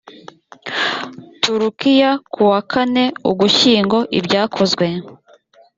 turukiya ku wa kane ugushyingo ibyakozwe